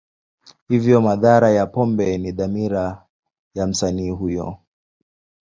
Hivyo, madhara ya pombe ni dhamira ya msanii huyo.